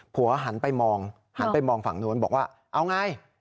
หันไปมองหันไปมองฝั่งนู้นบอกว่าเอาไง